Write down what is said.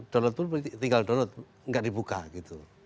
download pun tinggal download gak dibuka gitu